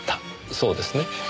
そうですね？